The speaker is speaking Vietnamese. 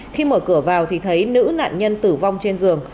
khi mở cửa vào thì thấy nữ nạn nhân tử vong trên giường